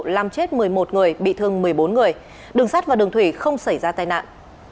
làm chết một mươi một người bị thương một mươi bốn người đường sát và đường thủy không xảy ra tai nạn